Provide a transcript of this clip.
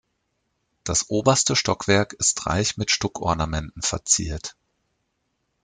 Das oberste Stockwerk ist reich mit Stuckornamenten verziert.